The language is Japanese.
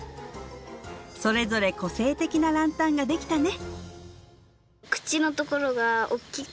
それぞれ個性的なランタンができたね！